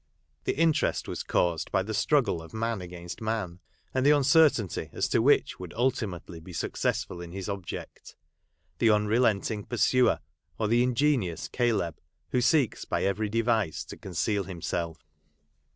The interest was caused by the struggle of man against man ; and the uncertainty as to which would ultimately be successful in his object; the unrelenting pursuer, or the ingenious Caleb, who seeks by every device to conceal himself.